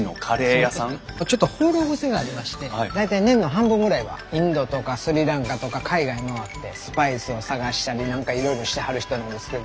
ちょっと放浪癖がありまして大体年の半分ぐらいはインドとかスリランカとか海外回ってスパイスを探したり何かいろいろしてはる人なんですけど。